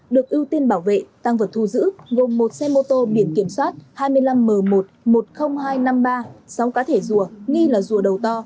được ưu tiên bảo vệ tăng vật thu giữ gồm một xe mô tô biển kiểm soát hai mươi năm m một một mươi nghìn hai trăm năm mươi ba sáu cá thể rùa nghi là rùa đầu to